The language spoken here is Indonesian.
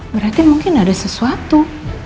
berarti mungkin ada sesuatu